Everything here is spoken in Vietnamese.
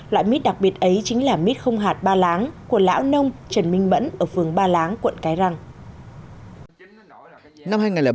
loại mít đặc biệt ấy chính là mít không hạt ba láng của lão nông trần minh mẫn ở phường ba láng quận cái răng